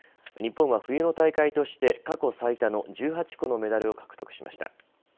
日本は冬の大会として過去最多の１８個のメダルを獲得しました。